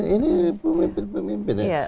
ini pemimpin pemimpin ya